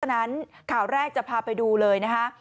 ฉะนั้นข่าวแรกจะพาไปดูเลยนะคะ